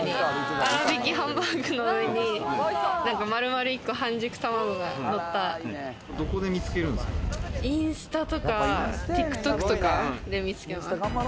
あらびきハンバーグの上に丸々１個、半熟卵がのった、インスタとかＴｉｋＴｏｋとかで見つけます。